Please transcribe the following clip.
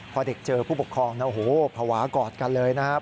พอเด็กเจอผู้ปกครองนะโอ้โหภาวะกอดกันเลยนะครับ